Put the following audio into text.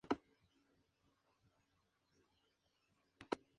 Pero los japoneses atacan Pearl Harbor antes de poder llegar.